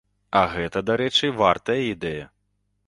А гэта, дарэчы, вартая ідэя.